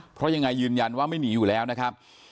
เพราะยังไงยืนยันว่าไม่หนีอยู่แล้วนะครับ